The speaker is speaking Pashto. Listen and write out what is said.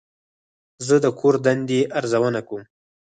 زه د کور دندې ارزونه کوم.